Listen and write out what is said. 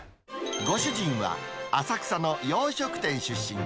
ご主人は、浅草の洋食店出身。